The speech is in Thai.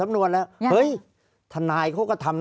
ภารกิจสรรค์ภารกิจสรรค์